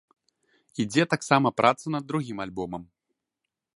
Ідзе таксама праца над другім альбомам.